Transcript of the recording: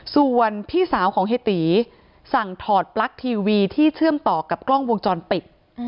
ส่วนพี่สาวของเฮตีสั่งถอดปลั๊กทีวีที่เชื่อมต่อกับกล้องวงจรปิด